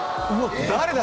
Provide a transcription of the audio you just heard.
誰だ？